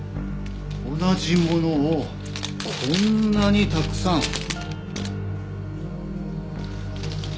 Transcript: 同じものをこんなにたくさん。